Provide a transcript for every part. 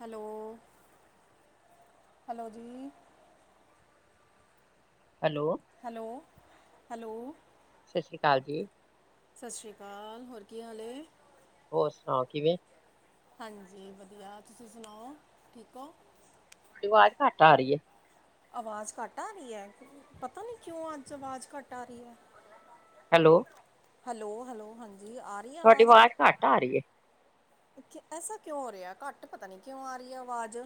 Hello hello ਜੀ। Hello. Hello hello. ਸਸ਼੍ਰੀ ਅਕਾਲ ਜੀ। ਸਤਿ ਸ਼੍ਰੀ ਅਕਾਲ ਹੋਰ ਕੀ ਹਾਲ? ਹੋਰ ਸੁਣਾਓ ਕਿਵੇਂ? ਹਾਂਜੀ, ਵਧੀਆ ਤੁਸੀਂ ਸੁਣਾਓ ਠੀਕ ਓ? ਤੁਹਾਡੀ ਆਵਾਜ਼ ਘੱਟ ਆ ਰਹੀ ਐ। ਆਵਾਜ਼ ਘੱਟ ਆ ਰਹੀ ਹੈ। ਪਤਾ ਨੀ ਕਿਉਂ ਅੱਜ ਆਵਾਜ਼ ਘੱਟ ਆ ਰਹੀ ਐ। ਹੈਲੋ। ਹੈਲੋ-ਹੈਲੋ ਹਾਂਜੀ। ਰਹੀ ਹੈ ਤੁਹਾਡੀ ਆਵਾਜ਼ ਘੱਟ ਆ ਰਹੀ ਐ। ਐਸਾ ਕਿਉਂ ਹੋ ਰਿਹਾ ਘੱਟ ਪਤਾ ਨੀ ਕਿਉਂ ਆ ਰਹੀ ਹੈ। ਆਵਾਜ਼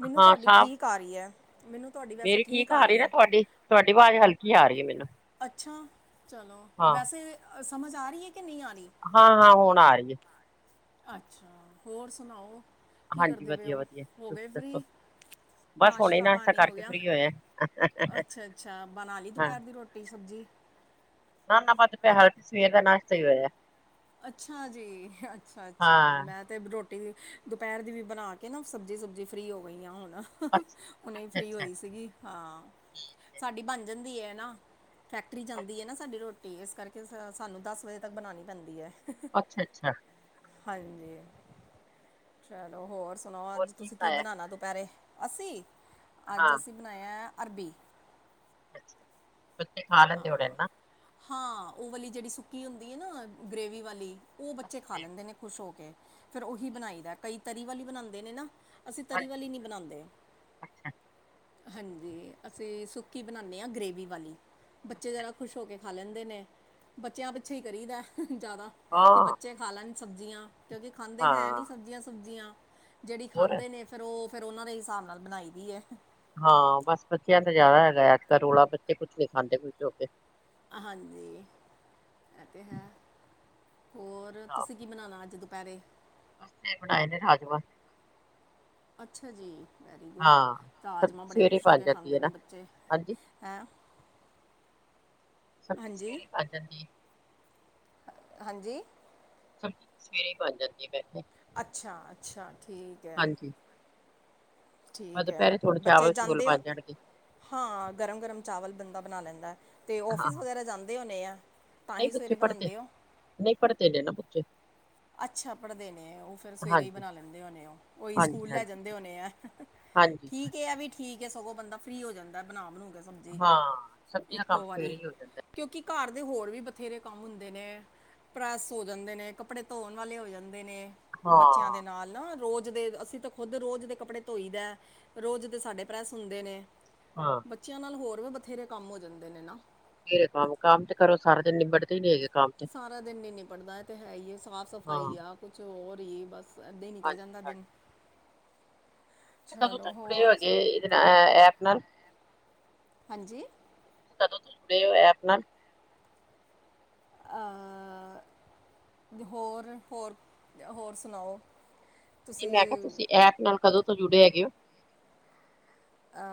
ਮੈਨੂੰ ਹਾਂ ਤੁਹਾਡੀ ਸਾਫ਼ ਠੀਕ ਆ ਰਹੀ ਹੈ। ਮੈਨੂੰ ਤੁਹਾਡੀ ਵੈਸੇ ਮੇਰੀ ਠੀਕ ਆ ਰਹੀ ਨਾ ਹੈ ਤੁਹਾਡੀ-ਤੁਹਾਡੀ ਆਵਾਜ਼ ਹਲਕੀ ਆ ਰਹੀ ਹੈ। ਮੈਨੂੰ ਅੱਛਾ, ਚਲੋ ਹਾਂ, ਵੈਸੇ ਸਮਝ ਆ ਰਹੀ ਹੈ। ਕਿ ਨਹੀਂ ਆ ਰਹੀ। ਹਾਂ, ਹਾਂ ਹੁਣ ਆ ਰਹੀ ਹੈ। ਅੱਛਾ, ਹੋਰ ਸੁਣਾਓ ਕੀ ਹਾਂਜੀ ਕਰਦੇ ਪਏ ਓ? ਵਧੀਆ-ਵਧੀਆ। ਹੋ ਤੁਸੀਂ ਗਏ ਦੱਸੋ? ਫਰੀ। ਬਸ ਹੁਣੇ ਨਾਸ਼ਤਾ ਪਾਣੀ ਹੋ ਕਰਕੇ ਗਿਆ। ਫ੍ਰਰੀ ਹੋਏ ਆ। ਅੱਛਾ-ਅੱਛਾ ਬਣਾ ਲਈ ਹਾਂ, ਦੁਪਹਿਰ ਦੀ ਰੋਟੀ ਸਬਜ਼ੀ। ਨਾ-ਨਾ ਵੱਧ ਪਿਆ ਹਲਕੇ ਸਵੇਰ ਦਾ ਨਾਸ਼ਤਾ ਈ ਹੋਇਆ। ਅੱਛਾ ਜੀ ਅੱਛਾ-ਅੱਛਾ ਹਾਂ, ਮੈਂ। ਅਤੇ ਰੋਟੀ ਦੁਪੈਰ ਦੀ ਵੀ ਬਣਾ ਕੇ ਨਾ ਸਬਜ਼ੀ ਸੁਬਜ਼ੀ ਫਰੀ ਹੋ ਗਈਆਂ ਹੁਣ। ਹੁਨੇ ਫ੍ਰਰੀ ਅੱਛਾ-ਅੱਛਾ। ਹੋਈ ਸੀਗੀ ਹਾਂ ਸਾਡੀ ਬਣ ਜਾਂਦੀ ਹੈ। ਨਾ। ਫੈਕਟਰੀ ਜਾਂਦੀ ਏ ਨਾ ਸਾਡੀ ਰੋਟੀ ਏਸ ਕਰਕੇ ਸਾਨੂੰ ਦਸ ਵਜੇ ਤੱਕ ਬਣਾਂਣੀ ਪੈਂਦੀ ਹੈ। ਅੱਛਾ-ਅੱਛਾ। ਹਾਂਜੀ, ਚਲੋ ਹੋਰ ਸੁਣਾਓ? ਹੋਰ ਅੱਜ ਤੁਸੀਂ ਕੀ ਬਣਾਇਆ? ਬਣਾਣਾ ਦੁਪੈਹਰੇ? ਅਸੀਂ, ਅੱਜ ਹਾਂ, ਅਸੀਂ ਬਣਾਇਆ ਅਰਬੀ। ਅੱਛਾ ਬੱਚੇ ਖਾ ਲੈਂਦੇ ਹੋਨੇ ਆ ਹੈ ਨਾ। ਹਾਂ, ਔਹ ਵਾਲੀ ਜੇੜੀ ਸੁੱਕੀ ਹੁੰਦੀ ਹੈ। ਨਾ ਗ੍ਰਰੇਵੀ ਵਾਲੀ। ਔ ਅੱਛਾ, ਬੱਚੇ ਖਾ ਠੀਕ। ਲੈਂਦੇ ਨੇ ਖੁਸ਼ ਹੋ ਕੇ ਫੇਰ ਔਹੀ ਹਾਂਜੀ, ਬਣਾਈ ਦਾ, ਕਈ ਤਰੀ ਵਾਲੀ ਬਣਾਦੇ ਨੇ ਨਾ। ਅਸੀਂ ਤਰੀ ਵਲੀ ਨਈ ਬਣਾਦੇ। ਅੱਛਾ ਅੱਛਾ ਹਾਂਜੀ, ਅਸੀਂ ਸੁੱਕੀ ਬਣਾਨੇ ਆ ਗ੍ਰੇਵੀ ਵਾਲੀ। ਬੱਚੇ ਅੱਛਾ। ਜਾਦਾ ਖੁਸ਼ ਹੋ ਕੇ ਖਾ ਲੈਂਦੇ ਨੇ, ਬੱਚਿਆਂ ਪਿੱਛੇ ਹੀ ਕਰੀਦਾ, ਹਹ ਜ਼ਿਆਦਾ, ਕਿ ਹਾਂ। ਬੱਚੇ ਖਾ ਲੈਣ ਸਬਜ਼ੀਆਂ, ਕਿਉਂਕਿ ਖਾਂਦੇ ਹੈ ਹਾਂ ਨੀ ਸਬਜ਼ੀਆਂ- ਸੁਬਜ਼ੀਆਂ ਜਿਹੜੀ ਹੋਰ ਖਾਂਦੇ ਨੇ ਫੇਰ ਔਹ ਫੇਰ ਔਨਾਂ ਦੇ ਹਿਸਾਬ ਨਾਲ ਬਣਾਈ ਦੀ ਹੈ। ਹਹ ਹਾਂ ਬਸ ਬੱਚਿਆਂ ਦਾਂ ਜਾਦਾ ਹੈਗਾ ਅੱਜ ਕੱਲ ਰੌਲਾ, ਬੱਚੇ ਕੁਛ ਨੀ ਖਾਂਦੇ ਖੁਸ਼ ਹੋ ਕੇ। ਹਾਂਜੀ, ਐ ਤੇ ਹੈ ਹੋਰ। ਤੁਸੀਂ ਕੀ ਬਨਾਉਣਾ ਅੱਜ ਦੁਪੈਰੇ। ਅਸੀ ਬਣਾਏ ਨੇ ਰਾਜਮਾ। ਅੱਛਾ ਜੀ। ਵੈਰੀ ਗੁੱਡ ਹਾਂ ਸਬਜ਼ੀ ਰਾਜਮਾ ਬੜੇ ਸਵੇਰੇ ਖੁਸ਼ ਹੋ ਬਣ ਕੇ ਜਾਂਦੀ ਖਾਂਦੇ ਹੈ ਨੇ ਨਾ ਬੱਚੇ ਹਾਂਜੀ ਹੈਂ। - [inaudible] ਸਤਿ ਸ੍ਰਜਨ ਜੀ। [unintelligible] ਹਾਂਜੀ। ਸਵੇਰੇ ਹੀ ਬਣ ਜਾਂਦੀ ਵੈਸੇ। [unintelligible] ਅੱਛਾ -ਅੱਛਾ ਠੀਕ ਐ। ਹਾਂਜੀ ਬਸ ਠੀਕ ਐ। ਦੁਪਹਿਰੇ ਥੋੜੇ ਬੱਚੇ ਚਾਵਲ ਚੂਵਲ ਜਾਂਦੇ ਆ। ਬਣ ਜਾਣਗੇ ਹਾਂ ਗਰਮ -ਗਰਮ ਚਾਵਲ ਬੰਦਾ ਬਣਾ ਲੈਂਦਾ, ਤੇ ਹਾਂ ਔਫਿਸ ਹਾਂ ਵਗੈਰਾ ਜਾਂਦੇ ਹੁਣੇ ਆ। ਤਾਂ ਨਹੀਂ ਹੀ ਬੱਚੇ ਸਵੇਰੇ ਪੜ੍ਹਦੇ ਬਣਾਉਂਦੇ ਹੋ ਨਹੀਂ ਪੜ੍ਹਦੇ ਨੇੈ ਨਾ ਬੱਚੇ। [unintelligible] ਅੱਛਾ ਪੜ੍ਹਦੇ ਨੇ ਔ ਫੇਰ ਸਵੇਰੇ ਈ ਹਾਂਜੀ ਬਣਾ ਲੈਂਦੇ ਹੋਨੇ ਆ ਔਈ ਹਾਂਜੀ ਸਕੂਲ ਲੈ ਹਾਂਜੀ ਜਾਂਦੇ ਹੋਨੇ ਐ ਅਹਹ। ਹਾਂਜੀ ਠੀਕ ਏ, ਐ ਵੀ ਠੀਕ ਏ, ਸਗੋਂ ਬੰਦਾ ਫਰੀ ਹੋ ਜਾਂਦਾ ਬਣਾ ਬਨੂਕੇ। ਹਂਜੀ ਹਾਂ ਸਬਜ਼ੀ ਦਾ ਕੰਮ ਇੱਕੋ ਵਾਰੀ। ਸਵੇਰੇ ਹੀ ਹੋ ਜਾਂਦਾ ਹੈ। ਕਿਉਂਕਿ ਘਰ ਦੇ ਹੋਰ ਵੀ ਬਥੇਰੇ ਕੰਮ ਹੁੰਦੇ ਨੇ। ਪ੍ਰੈਸ ਹੋ ਜਾਂਦੇ ਨੇ, ਕੱਪੜੇ ਧੋਣ ਵਾਲੇ ਹੋ ਜਾਂਦੇ ਨੇ ਬੱਚਿਆਂ ਦੇ ਹਾਂ ਨਾਲ ਨਾ, ਰੋਜ਼ ਦੇ, ਅਸੀਂ ਤੇ ਖੁੱਦ ਰੋਜ਼ ਦੇ ਕੱਪੜੇ ਧੋਈ ਦੈ, ਰੋਜ਼ ਤੇ ਸਾਡੇ ਪ੍ਰੈਸ ਹੁੰਦੇ ਨੇ ਹਾਂ। ਬੱਚਿਆਂ ਨਾਲ ਹੋਰ ਵੀ ਬਥੇਰੇ ਕੰਮ ਹੋ ਜਾਂਦੇ ਨੇ ਨਾ। ਵੇਰੇ ਕੰਮ- ਕੰਮ ਤੇ ਕਰੋ ਸਾਰਾ ਦਿਨ ਨਿਬੜਦੇ ਹੀ ਨੀ ਹੈਗੇ ਕੰਮ ਤੇ ਸਾਰਾ ਦਿਨ ਨੀ ਨਿਬੜਦਾ ਐ ਤੇ ਹੈ ਈ ਐ ਸਾਫ਼ ਹਾਂ ਸਫ਼ਾਈ ਆ ਕੁਛ ਹੋਰ ਹੀ ਬਸ ਅੱਦੇੇ ਨਿਕਲ ਹਾਂਜੀ ਹਾਂਜੀ ਜਾਂਦਾ ਦਿਨ। ਕਦੋਂ ਤ ਚਲੋ ਖੜੇ ਹੋ ਹੋਰ ਗ ਸ- ਇਹਦੇ [unintelligible] ਨਾਲ ਐ ਆਪ ਨਾਲ ਹਾਂਜੀ। ਕਦੋਂ ਤੋਂ ਜੁੜੇ ਹੋਇਆ ਆਪਣਾ [unintelligible] ਐਪ ਨਾਲ ਅਅਅਅ ਹੋਰ, ਹੋਰ, ਹੋਰ ਸੁਣਾਓ। ਨੀ ਮੈਂ ਕਿ ਆ ਤੁਸੀਂ ਐਪ ਨਾਲ ਕਦੋਂ ਤੋਂ ਜੁੜੇ ਹੈਗੇ ਔ। ਅ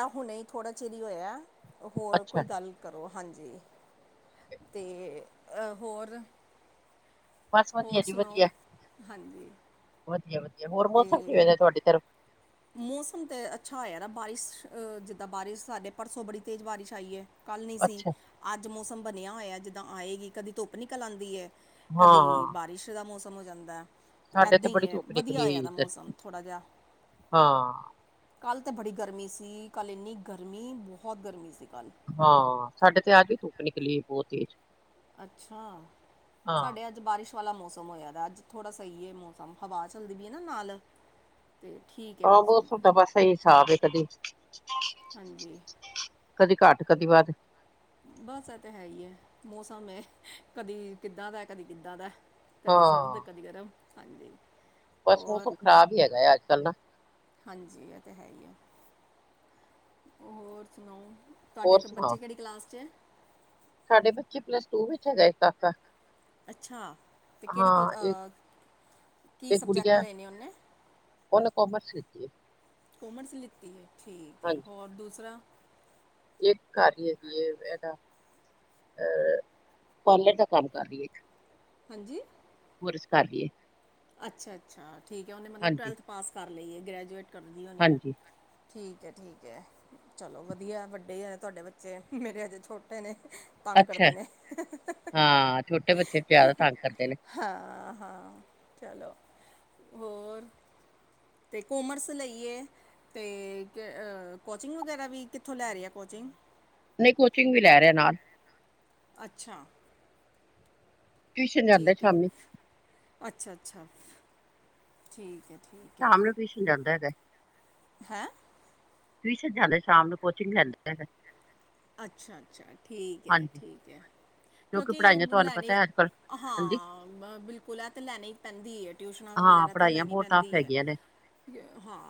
ਐ ਹੁਣੇ ਥੋੜ੍ਹਾ ਚਿਰ ਈ ਹੋਇਆ। ਹੋਰ ਅੱਛਾ ਕੋਈ ਗੱਲ ਕਰੋ ਹਾਂਜੀ। ਤੇ ਐ ਹੋਰ ਬਸ ਵਧੀਆ ਹੋਰ ਜੀ ਸੁਣਾਓ ਵਧੀਆ, ਹਾਂਜੀ ਵਧੀਆ- ਵਧੀਆ ਹੋਰ ਮੌਸਮ ਅਤੇ ਕੀਵੇਂ ਤੁ ਆਡੇ ਤਰਫ ਮੌਸਮ ਤੇ ਅੱਛਾ ਹੋਯਾ ਬਇਸ ਅ ਜਿਦਾ ਬਾਰਿਸ਼ ਸਾਡੇ ਪਰਸੋਂ ਬੜੀ ਤੇਜ਼ ਬਾਰਿਸ਼ ਆਈ ਐ। ਕੱਲ੍ਹ ਨੀ ਸੀ, ਅੱਛਾ ਅੱਜ ਮੌਸਮ ਬਣਿਆ ਹੋਇਆ। ਜਿੱਦਾਂ ਆਏਗੀ, ਕਦੀ ਧੁੱਪ ਨਿਕਲ ਆਦੀ ਏ। ਕਦੀ ਹਾਂ ਬਾਰਿਸ਼ ਦਾ ਮੌਸਮ ਹੋ ਜਾਂਦੈ। ਸਾਡੇ ਤੇ ਇੱਦਾਂ ਬੜੀ ਈ ਐ ਧੁੱਪ ਵਧੀਆ ਨਿਕਲੀ ਹੋਈ ਹੋਇਆਦਾ ਇੱਧਰ ਮੌਸਮ ਥੋੜ੍ਹਾ ਜਿਆ ਹਾਂ ਕੱਲ੍ਹ ਤਾਂ ਬੜੀ ਗਰਮੀ ਸੀ ਕੱਲ੍ਹ ਇੰਨੀ ਗਰਮੀ ਬੋਹਤ ਗਰਮੀ ਸੀ ਕੱਲ੍ਹ। ਹਾਂ ਸਾਡੇ ਤੇ ਅੱਜ ਧੁੱਪ ਨਿਕਲੀ ਬੋਤ ਤੇਜ਼। ਅੱਛਾ, ਹਾਂ ਸਾਡੇ ਅੱਜ ਅੱਜ ਬਾਰਿਸ਼ ਵਾਲਾ ਮੌਸਮ ਹੋਇਆ ਅੱਜ ਥੋੜ੍ਹਾ ਸਹੀ ਐ ਮੌਸਮ ਹਵਾ ਚੱਲਦੀ ਵੀ ਐ ਨਾ ਨਾਲ। ਤੇ ਠੀਕ ਹੈ ਆਹ ਮੌਸਮ ਬਹੁਸਦਾ ਬ ਸਹੀ ਹਿਸਾਬ ਏ ਕਦੀ ਹਾਂਜੀ ਕਦੀ ਘੱਟ ਕਦੀ ਵੱਧ। ਬਸ ਇਹ ਤਾਂ ਹੈ ਹੀ ਏ, ਮੌਸਮ ਐ ਕਦੀ ਕਿੱਦਾਂ ਦਾ, ਕਦੀ ਕਿੱਦਾਂ ਦਾ। ਕਦੀ ਸਰਦ, ਹਾਂ ਕਦੀ ਗਰਮ ਹਾਂਜੀ। ਬਸ ਹੋਰ ਮੌਸਮ ਖਰਾਬ ਈ ਹੈਗਾ ਐ ਅੱਜ-ਕੱਲ੍ਹ ਨਾ। ਹਾਂਜੀ ਇਹ ਤਾਂ ਹੈ ਈ ਐ, ਹੋਰ ਸੁਣਾਓ। ਤੁਹਾਡੇ ਹੋਰ ਕੋ ਸੁਣਾਓ ਬੱਚੇ ਕਿਹੜੀ ਕਲਾਸ ਚ ਐ। ਸਾਡੇ ਬੱਚੇ ਪਲੱਸ ਟੂ ਵਿੱਚ ਹੈਗਾ ਇੱਕ ਕਾਕਾ। ਅੱਛਾ ਤੇ ਕਿਹੜੀ ਕਲਾ ਹਾਂ ਇੱਕ ਆ ਕੀ ਇੱਕ ਸਬਜੈਕਟ ਗੁੜੀਆ ਲਏ ਨੇ ਉਹਨੇ। ਉਹਨੇ ਕਾਮਰਸ ਕੀਤੀ ਹੈ। ਕੋਮਰਸ ਲਿੱਤੀ ਐ, ਠੀਕ ਏ ਹਾਂਜੀ ਔਰ ਦੂਸਰਾ ਇੱਕ ਘਰ ਹੀ ਸੀ ਇਹ ਇਹਦਾ ਅਹ ਪਾਰਲਰ ਦਾ ਕੰਮ ਕਰ ਰਹੀ ਐ ਇੱਕ। ਹਾਂਜੀ। ਪਰਸ ਕਰ ਲਈਏ। ਅੱਛਾ ਅੱਛਾ ਠੀਕ ਐ, ਉਹਨੇ ਮਤਲਬ ਹਾਂਜੀ ਟਵੈਲਥ ਪਾਸ ਕਰ ਲਈ ਐ, ਗ੍ਰੈਜੂਏਟ ਕਰਦੀ ਹੋਣੀ ਐ। ਹਾਂਜੀ ਠੀਕ ਐ, ਠੀਕ ਐ ਚਲੋ ਵਧੀਆ ਵੱਡੇ ਆ ਤੁਹਾਡੇ ਬੱਚੇ ਮੇਰੇ ਅਜੇ ਛੋਟੇ ਨੇ। ਤੰਗ ਅੱਛਾ ਕਰਦੇ ਨੇ। ਹਾਂ ਛੋਟੇ ਬੱਚੇ ਜ਼ਿਆਦਾ ਤੰਗ ਕਰਦੇ ਨੇ [unintelligible] ਹਾਂ ਹਾਂ, ਚਲੋ ਹੋਰ। ਤੇ ਕੋਮਰਸ ਲਈਏ ਤੇ ਕੋਚਿੰਗ ਵਗੈਰਾ ਵੀ, ਕਿੱਥੋਂ ਲੈ ਰਿਆ ਕੋਚਿੰਗ। ਨਈ ਕੋਚਿੰਗ ਵੀ ਲੈ ਰਿਹਾ ਨਾਲ। ਅੱਛਾ। ਟਿਊਸ਼ਨ ਜਾਂਦਾ ਠੀਕ ਐ, ਸ਼ਾਮੀ ਅੱਛਾ ਅੱਛਾ, ਠੀਕ ਐ, ਠੀਕ ਐ। ਟਿਸ਼ਨ ਜਾਂਦਾ ਹੈਗਾ। ਹੈਂ? ਟਿਊਸ਼ਨ ਜਾਂਦਾ ਸ਼ਾਮ ਨੂੰ, ਕੋਚਿੰਗ ਲੈਂਦਾ ਹੈਗਾ। ਅੱਛਾ ਅੱਛਾ, ਠੀਕ ਐ, ਹਾਂਜੀ ਠੀਕ ਐ ਕਿਉਂਕਿ ਪੜ੍ਹਾਈਆਂ ਓਹ ਤੁਹਾਨੂੰ ਲੈਣੀ ਪਤਾ ਹੈ ਅੱਜ ਕੱਲ ਹਾਂਜੀ ਹਾਂ ਬਿਲਕੁਲ ਐ ਤੇ ਲੈਣੀ ਪੈਂਦੀ ਐ, ਟਿਊਸ਼ਨਾਂ ਹਾਂ ਵਗੈਰਾ ਤੇ ਪੜ੍ਹਾਈਆਂ ਲੈਣੀ ਬਹੁਤ ਟਫ ਪੈਂਦੀ ਐ। ਹੈਗੀਆਂ ਨੇ ਯਾ ਹਾਂ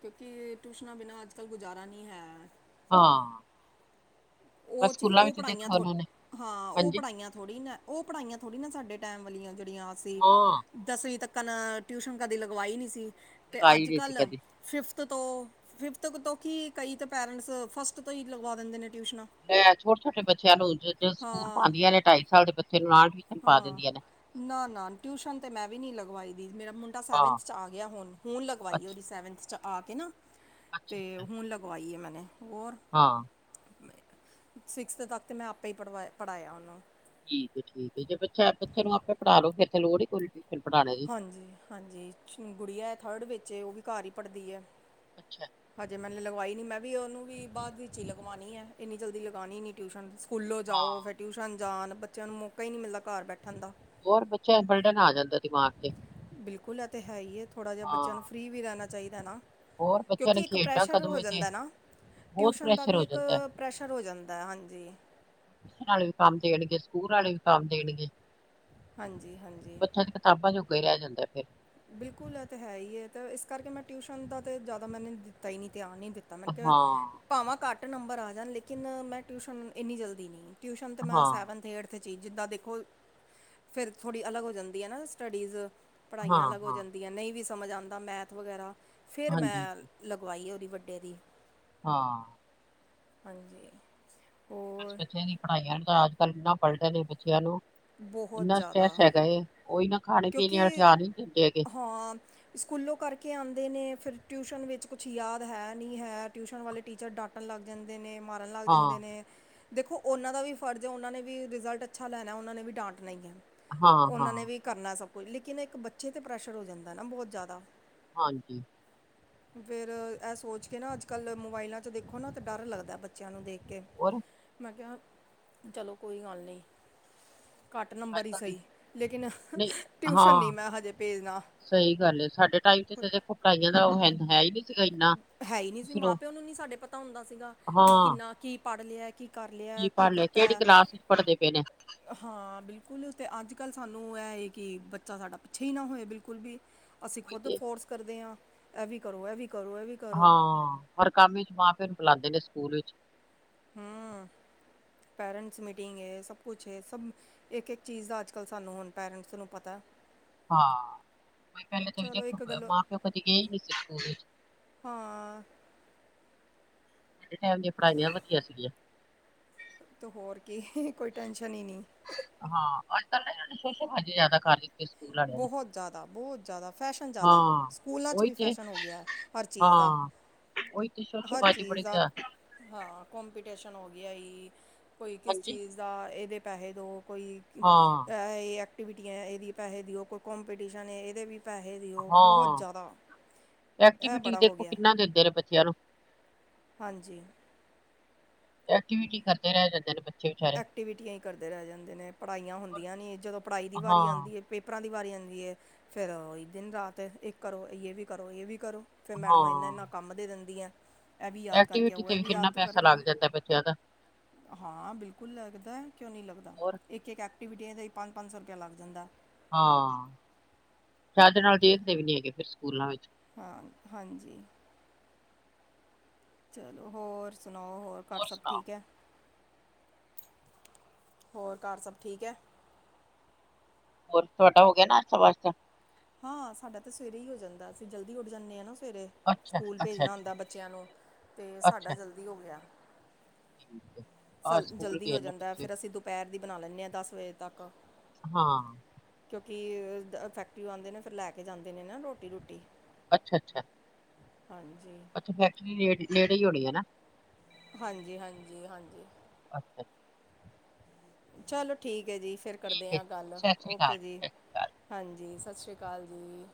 ਕਿਉਂਕਿ ਟਿਊਸ਼ਨਾਂ ਬਿਨਾਂ ਅੱਜ-ਕੱਲ੍ਹ ਗੁਜ਼ਾਰਾ ਨ੍ਹੀਂ ਹੈ। ਹਾਂ। ਉਹ ਬਸ ਚੀਜ਼ ਸਕੂਲਾਂ ਉਹ ਵਿੱਚ ਪੜ੍ਹਾਈਆਂ ਦੇਖੋ ਥੋੜੀ ਉਹਨਾਂ ਨੇ ਹਾਂ, ਉਹ ਹਾਂਜੀ ਪੜ੍ਹਾਈਆਂ ਥੋੜੀ ਨੇ। ਉਹ ਪੜ੍ਹਾਈਆਂ ਥੋੜ੍ਹੀ ਨੇ ਸਾਡੇ ਟਾਈਮ ਵਾਲੀਆਂ ਜਿਹੜੀਆਂ ਅਸੀਂ ਹਾਂ ਦਸਵੀਂ ਤੱਕਣ ਟਿਊਸ਼ਨ ਕਦੇ ਲਗਵਾਈ ਨੀਂ ਸੀ ਤੇ ਲਗਾਈ ਨਹੀਂ ਸੀ ਅੱਜ-ਕੱਲ੍ਹ ਕਦੇ ਫਿਫਥ ਤੋਂ ਫਿਫਥ ਤੋਂ ਕਿ ਕਈ ਤਾਂ ਪੈਰੈਂਟਸ ਫਸਟ ਤੋਂ ਈ ਲਗਵਾ ਦਿੰਦੇ ਨੇ ਟਿਊਸ਼ਨਾਂ। ਲੈਂ ਛੋਟੇ-ਛੋਟੇ ਬੱਚਿਆਂ ਨੂੰ ਜਦੋਂ ਸਕੂਲ ਹਾਂ ਪਾਂਦੀਆਂ ਨੇ ਢਾਈ ਸਾਲ ਦੇ ਬੱਚੇ ਨੂੰ ਨਾਲ ਹੀ ਹਾਂ ਨਾ-ਨਾ ਟਿਊਸ਼ਨ ਤੇ ਮੈਂ ਵੀ ਨੀ ਲਗਵਾਈ ਦੀ ਮੇਰਾ ਮੁੰਡਾ ਹਾਂ ਸੈਵੰਥ ਚ ਆ ਗਿਆ ਹੁਣ। ਹੁਣ ਲਗਵਾਈ ਅੱਛਾ, ਉਹਦੀ ਸੈਵੰਥ ਚ ਆ ਕੇ ਨਾ ਤੇ ਅੱਛਾ-ਅੱਛਾ। ਹੁਣ ਲਗਵਾਈ ਏ ਮੈਂਨੇ ਹੋਰ ਹਾਂ ਸਿਕਸਥ ਤੱਕ ਤੇ ਮੈਂ ਆਪੇ ਹੀ ਪੜ੍ਹਵਾਇ ਪੜ੍ਹਾਇਆ ਉਹਨਾਂ ਨੂੰ ਠੀਕ ਏ ਠੀਕ ਏ ਜੇ ਬੱਚਾ ਬੱਚੇ ਨੂੰ ਆਪੇ ਪੜ੍ਹਾ ਲੋ ਫੇਰ ਤੇ ਲੋੜ ਹੀ ਕੋਈ ਨੀ ਟਿਊਸ਼ਨ ਪੜ੍ਹਾਣੇ ਦੀ ਹਾਂਜੀ, ਹਾਂਜੀ ਗੁੜੀਆ ਏ ਥਰਡ ਵਿੱਚ ਏ ਉਹ ਵੀ ਘਰ ਹੀ ਪੜ੍ਹਦੀ ਐ ਅੱਛਾ ਹਜੇ ਮੈਨੇ ਲਗਵਾਈ ਨੀ ਮੈਂ ਵੀ ਉਹਨੂੰ ਵੀ ਬਾਅਦ ਵਿੱਚ ਹੀ ਲਗਵਾਉਣੀ ਹੈ ਇੰਨੀ ਜਲਦੀ ਲਗਾਉਨੀ ਨੀ ਟਿਊਸ਼ਨ ਸਕੂਲੋਂ ਜਾਓ ਫਿਰ ਹਾਂ। ਟਿਊਸ਼ਨ ਜਾਣ ਬੱਚਿਆਂ ਨੂੰ ਮੌਕਾ ਹੀ ਨਹੀਂ ਮਿਲਦਾ ਘਰ ਬੈਠਣ ਦਾ ਹੋਰ ਬੱਚਿਆਂ ਤੇ ਬਰਡਨ ਆ ਜਾਂਦਾ ਦਿਮਾਗ ਤੇ ਬਿਲਕੁਲ ਇਹ ਤੇ ਹੈ ਹੀ ਏ ਥੋੜਾ ਜਿਹਾ ਬੱਚਿਆਂ ਨੂੰ ਹਾਂ, ਫਰੀ ਵੀ ਰਹਿਣਾ ਚਾਹੀਦਾ ਨਾ ਹੋਰ ਬੱਚਿਆਂ ਨੇ ਕਿਉਂਕਿ ਇੱਕ ਖੇਡਣਾ ਪ੍ਰੈਸ਼ਰ ਕਦੋਂ ਹੋ ਏ ਤੇ ਜਾਂਦਾ ਨਾ ਬਹੁਤ ਟਿਊਸ਼ਨ ਦਾ ਪ੍ਰੈਸ਼ਰ ਵੀ ਹੋ ਇੱਕ ਜਾਂਦਾ। ਹੈ। ਪ੍ਰੈਸ਼ਰ ਹੋ ਜਾਂਦਾ ਹਾਂਜੀ ਟਿਊਸ਼ਨ ਵਾਲੇ ਵੀ ਕੰਮ ਦੇਣਗੇ ਸਕੂਲ ਵਾਲੇ ਵੀ ਕੰਮ ਦੇਣਗੇ ਹਾਂਜੀ ਹਾਂਜੀ ਬੱਚਾ ਤੇ ਕਿਤਾਬਾਂ ਜੋਗਾ ਹੀ ਰਹਿ ਜਾਂਦਾ ਫਿਰ ਬਿਲਕੁਲ ਇਹ ਤਾਂ ਹੈ ਹੀ ਹੈ ਤੇ ਇਸ ਕਰਕੇ ਮੈਂ ਟਿਊਸ਼ਨ ਦਾ ਤਾਂ ਜ਼ਿਆਦਾ ਮੈਨੇ ਦਿੱਤਾ ਹੀ ਨਹੀਂ ਧਿਆਨ ਨਹੀਂ ਦਿੱਤਾ ਤਾਂ ਮੈਂ ਕਿਹਾ ਹਾਂ, ਭਾਵਾਂ ਘੱਟ ਨੰਬਰ ਆ ਜਾਣ ਲੇਕਿਨ ਮੈਂ ਟਿਊਸ਼ਨ ਇੰਨੀ ਜਲਦੀ ਨਹੀਂ ਟਿਊਸ਼ਨ ਤਾਂ ਮੈਂ ਹਾਂ, ਸੈਵੰਥ ਏਟਥ ਇੱਥੇ ਚੀਜ਼ ਜਿੱਦਾਂ ਦੇਖੋ ਫਿਰ ਥੋੜ੍ਹੀ ਅਲੱਗ ਹੋ ਜਾਂਦੀ ਹੈ ਨਾ ਸਟੱਡੀਜ਼ ਪੜ੍ਹਾਈਆਂ ਹਾਂ, ਅਲੱਗ ਹੋ ਹਾਂ। ਜਾਂਦੀਆਂ ਨਹੀਂ ਵੀ ਸਮਝ ਆਉਂਦਾ ਮੈਥ ਵਗੈਰਾ ਫਿਰ ਮੈਂ ਹਾਂਜੀ-ਹਾਂਜੀ, ਲਗਵਾਈ ਏ ਉਹਦੀ ਵੱਡੇ ਦੀ ਹਾਂ ਹਾਂਜੀ ਹੋਰ ਬੱਚਿਆਂ ਦੀ ਪੜ੍ਹਾਈਆਂ ਤਾਂ ਅੱਜ ਕੱਲ੍ਹ ਇੰਨਾ ਬਰਡਣ ਏ ਬੱਚਿਆਂ ਨੂੰ ਬਹੁਤ ਇੰਨਾ ਜ਼ਿਆਦਾ ਸਟਰੈਸ ਹੈਗਾ ਏ ਉਹੀ ਨਾ ਖਾਣੇ ਪੀਣੇ ਅਲ ਕਿਉਂਕਿ ਧਿਆਨ ਨਹੀਂ ਦਿੰਦੇ ਹੈਗੇ ਹਾਂ ਸਕੂਲੋਂ ਕਰਕੇ ਆਉਂਦੇ ਨੇ ਫਿਰ ਟਿਊਸ਼ਨ ਵਿੱਚ ਕੁਛ ਯਾਦ ਹੈ ਨਹੀਂ ਹੈ ਟਿਊਸ਼ਨ ਵਾਲੇ ਟੀਚਰ ਡਾ ਕੁੱਟਣ ਲੱਗ ਜਾਂਦੇ ਨੇ ਮਾਰਨ ਲੱਗ ਹਾਂ। ਜਾਂਦੇ ਨੇ ਦੇਖੋ ਉਹਨਾਂ ਦਾ ਵੀ ਫਰਜ਼ ਹੈ ਉਹਨਾਂ ਨੇ ਵੀ ਰਿਜ਼ਲਟ ਅੱਛਾ ਲੈਣਾ ਉਹਨਾਂ ਨੇ ਵੀ ਡਾਂਟਣਾ ਈ ਹੈ ਹਾਂ, ਉਹਨਾਂ ਨੇ ਹਾਂ, ਵੀ ਕਰਨਾ ਸਭ ਕੁਝ ਲੇਕਿਨ ਇੱਕ ਬੱਚੇ 'ਤੇ ਪ੍ਰੈਸ਼ਰ ਹੋ ਜਾਂਦਾ ਨਾ ਬਹੁਤ ਜ਼ਿਆਦਾ ਹਾਂਜੀ [inaudible] ਫਿਰ ਇਹ ਸੋਚ ਕੇ ਨਾ ਅੱਜ ਕੱਲ੍ਹ ਮੋਬਾਇਲਾਂ 'ਚ ਦੇਖੋ ਨਾ ਤਾਂ ਡਰ ਲੱਗਦਾ ਬੱਚਿਆਂ ਨੂੰ ਦੇਖ ਕੇ ਹੋਰ ਮੈਂ ਕਿਹਾ ਚਲੋ ਕੋਈ ਗੱਲ ਨਹੀਂ ਘੱਟ ਨੰਬਰ ਹੀ ਅੱਜ-ਕੱਲ ਸਹੀ ਲੇਕਿਨ ਨਹੀਂ ਟਿਊਸ਼ਸ਼ਨ ਨਹੀਂ ਹਾਂ, ਮੈਂ ਹਜੇ ਭੇਜਣਾ ਸਹੀ ਗੱਲ ਏ ਸਾਡੇ ਟਾਈਮ ਤੇ ਸੀ ਜੋ ਕੁਟਾਈਆਂ ਦਾ ਉਹ ਹੈ ਹੈ ਹੀ ਨਹੀਂ ਸੀਗਾ ਇੰਨਾ ਹੈ ਹੀ ਨਹੀਂ ਸੀ ਮਾਂ ਸਿਰੋਂ ਪਿਓ ਨੂੰ ਨਹੀਂ ਸਾਡੇ ਪਤਾ ਹੁੰਦਾ ਸੀਗਾ ਕਿ ਹਾਂ, ਕਿੰਨਾ ਕੀ ਪੜ੍ਹ ਲਿਆ ਕਿ ਕਰ ਲਿਆ ਕੀ ਪੜ੍ਹ ਲਿਆ ਕੀਤਾ ਕਿਹੜੀ ਕਲਾਸ ਚ ਪੜ੍ਹਦੇ ਪਏ ਨੇ ਹਾਂ ਬਿਲਕੁਲ ਤੇ ਅੱਜ ਕੱਲ੍ਹ ਸਾਨੂੰ ਇਹ ਹੈ ਕਿ ਬੱਚਾ ਸਾਡਾ ਪਿੱਛੇ ਹੀ ਨਾ ਹੋਏ ਬਿਲਕੁਲ ਵੀ ਅਸੀਂ ਉਹੀ ਖੁਦ ਤੇ ਫੋਰਸ ਕਰਦੇ ਹਾਂ ਇਹ ਵੀ ਕਰੋ ਇਹ ਵੀ ਕਰੋ ਇਹ ਵੀ ਕਰੋ ਹਾਂ ਔਰ ਕਾਫੀ ਮਾਂ ਪਿਓ ਨੂੰ ਬੁਲਾਉਂਦੇ ਨੇ ਸਕੂਲ ਵਿੱਚ ਹਮ ਪੇਰੈਂਟਸ ਮੀਟਿੰਗ ਹੈ ਸਭ ਕੁਛ ਹੈ ਸਭ ਇੱਕ ਇੱਕ ਚੀਜ਼ ਦਾ ਅੱਜ ਕੱਲ੍ਹ ਸਾਨੂੰ ਹੁਣ ਪੇਰੈਂਟਸ ਨੂੰ ਪਤਾ ਹਾਂ ਕੋਈ ਪਹਿਲੇ ਚ ਚਲੋ ਦੇਖ ਇੱਕ ਗੱਲ ਮਾਂ ਪਿਓ ਕਦੇ ਗਏ ਨਹੀਂ ਸੀ ਸਕੂਲ ਹਾਂ। ਸਾਡੇ ਟੈਮ ਦੀਆਂ ਪੜ੍ਹਾਈਆਂ ਵਦੀਆ ਸੀਗੀਆਂ। ਤੋ ਹੋਰ ਕੀ ਕੋਈ ਟੈਸ਼ਨ ਈ ਨੀ। ਹਾਂ ਅੱਜ-ਕੱਲ ਏਨਾਂ ਨੇ ਸ਼ੋਸ਼ੇਬਾਜ਼ੀ ਜ਼ਾਦਾ ਕਰਲੀ। ਬਹੁ ਜ਼ਾਦਾ-ਬਹੁ ਜ਼ਾਦਾ ਫੈਸ਼ਨ ਜ਼ਾਦਾ ਹਾਂ, ਸਕੂਲਾਂ ਚ ਉਹੀ ਵੀ ਫੈਸ਼ਨ ਹੋ ਗੇਆ। ਹਰ ਚੀਜ਼ ਦਾ। ਓਈ ਤੇ ਹਰ ਸ਼ੋਸ਼ੇਬਾਜ਼ੀ ਚੀਜ਼ ਬੜੀ ਦਾ ਐ। ਹਾਂ ਕੋਂਪੀਟੀਸ਼ਨ ਹੋ ਗੇਆ ਜੀ ਕੋਈ ਕਿਸ ਹਾਂਜੀ ਚੀਜ਼ ਦਾ ਏਦੇ ਪੈਸੇ ਦਿਓ ਕੋਈ ਹਾਂ ਐ ਏਹ ਐਕਟੀਵਿਟੀਆਂ ਏਦੇ ਵੀ ਪੈਸੇ ਦਿਓ ਕੋਈ ਕੋਂਪੀਟੀਸ਼ਨ ਐ ਏਦੇ ਵੀ ਪੈਸੇ ਦਿਓ ਬਹੋਤ ਹਾਂ, ਜ਼ਾਦਾ। ਐਕਟੀਵਿਟੀ ਵੀ ਦੇਖੋ ਕਿੰਨਾ ਦਿੰਦੇ ਨੇ ਬੱਚਿਆਂ ਨੂੰ। ਹਾਂਜੀ। ਐਕਟੀਵਿਟੀ ਕਰਦੇ ਰੈ ਜਾਂਦੇ ਨੇ ਬੱਚ ਐਕਟੀਵਿਟੀਆਂ ਏ ਕਰਦੇ ਰੈ ਜਾਂਦੇ ਨੇ ਪੜ੍ਹਾਈਆਂ ਹੋਰ, ਹੁੰਦੀਆਂ ਨੀ ਜਦੋਂ ਪੜ੍ਹਾਈ ਦੀ ਵਾਰੀ ਹਾਂ, ਆਂਦੀ ਐ ਪੇਪਰਾਂ ਦੀ ਵਾਰੀ ਆਂਦੀ ਐ, ਫਿਰ ਓਈ ਦਿਨ ਰਾਤ ਇੱਕ ਕਰੋ ਯੇ ਵੀ ਕਰੋ ਯੇ ਵੀ ਕਰੋ। ਫਿਰ ਮੈਡਮਾਂ ਹਾਂ, ਏਨਾ-ਏਨਾ ਕੰਮ ਦੇ ਦਿੰਦੀਆਂ। ਐ ਵੀ ਯਾਦ ਕਰਕੇ ਐਕਟੀਵਿਟੀ ਆਓ ਤੇ ਐ ਵੀ ਯਾਦ ਕਿੰਨਾ ਤੋ ਪੈਸਾ ਕਰਕੇ ਆਓ, ਲੱਗ ਜਾਂਦਾ ਬੱਚਿਆਂ ਦਾ। ਹਾਂ ਬਿਲ ਬਿਲਕੁਲ ਲੱਗਦਾ ਕਿਓਂ ਨੀ ਲੱਗਦਾ ਹੋਰ, ਇੱਕ-ਇੱਕ ਐਕਟੀਵਿਟੀ ਦਾ ਈ ਪੰਜ-ਪੰਜ ਸੌ ਰੁਪਇਆ ਲੱਗ ਜਾਂਦੈ। ਹਾਂ ਸਾਡੇ ਨਾਲ ਦੇਖਦੇ ਵੀ ਨੀ ਹੈਗੇ ਫੇਰ ਸਕੂਲਾਂ ਵਿੱਚ। ਹਾਂ, ਹਾਂਜੀ। ਚਲੋ ਹੋਰ ਸੁਨਾਓ ਹੋਰ ਘਰ ਸਬ ਠੀਕ ਐ। ਹੋਰ ਘਰ ਸਬ ਠੀਕ ਐ। ਹੋਰ ਤੁਆਡਾ ਹੋ ਗੇਆ ਨਾਸ਼ਤਾ ਵਾਸਤਾ। ਹਾਂ ਸਾਡਾ ਤਾਂ ਸਵੇਰੇ ਈ ਹੋ ਜਾਂਦਾ ਅਸੀਂ ਜਲਦੀ ਉੱਠ ਜਾਂਨੇ ਆਂ ਨਾ ਸਵੇਰੇ। ਅੱਛਾ, ਸਕੂਲ ਅੱਛਾ, ਭੇਜਨਾ ਅੱਛਾ, ਹੁੰਦਾ ਬੱਚਿਆਂ ਨੂੰ, ਤੇ ਸਾਡਾ ਅੱਛਾ ਜਲਦੀ ਹੋ ਗੇਆ। ਠੀਕ ਐ। ਸਲ ਜਲਦੀ ਹੋ ਜਾਂਦਾ ਫਿਰ ਅਸੀਂ ਦੁਪੈਰ ਦੀ ਬਨਾ ਲੈਂਦੇ ਆਂ ਦਸ ਵਜੇ ਤੱਕ। ਹਾਂ। ਕਿਓਂਕਿ ਅ ਫੈਕਟਰਿਓਂ ਆਂਦੇ ਨੇ ਫਿਰ ਲੈ ਕੇ ਜਾਂਦੇ ਨੇ ਨਾ ਰੋਟੀ ਰੁਟੀ। ਅੱਛਾ-ਅੱਛਾ। ਹਾਂਜੀ। ਤੇ ਫੈਕਟਰੀ ਨੇੜ ਨੇੜੇ ਹੋਨੀ ਐ ਨਾ। ਹਾਂਜੀ-ਹਾਂਜੀ-ਹਾਂਜੀ। ਅੱਛਾ ਜੀ। ਚਲੋ ਠੀਕ ਐ ਜੀ ਫਿਰ ਕਰਦੇ ਠੀਕ ਏ, ਆਂ ਗੱਲ ਸਤਿ ਸ੍ਰੀ ਅਕਾਲ, ਓਕੇ ਜੀ। ਸਤਿ ਸ੍ਰੀ ਅਕਾਲ। ਹਾਂਜੀ ਸਸ ਰੀਆ ਕਾਲ ਜੀ।